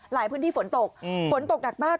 หลายพื้นที่ฝนตกฝนตกหนักมาก